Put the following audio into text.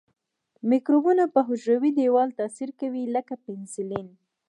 د مکروبونو په حجروي دیوال تاثیر کوي لکه پنسلین.